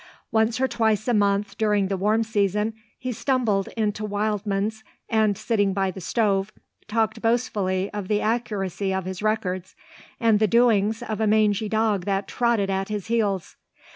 Once or twice a month during the warm season he stumbled into Wildman's and, sitting by the stove, talked boastfully of the accuracy of his records and the doings of a mangy dog that trotted at his heels.